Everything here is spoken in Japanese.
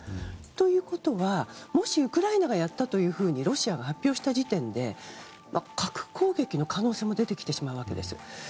ということは、もしウクライナがやったというふうにロシアが発表した時点で核攻撃の可能性も出てきてしまうわけです。